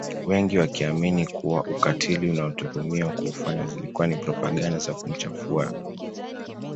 Wengi wakiamini kuwa ukatili anaotuhumiwa kuufanya zilikuwa ni propaganda za kumchafua